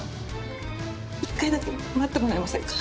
１回だけ待ってもらえませんか。